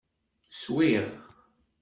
Swiɣ.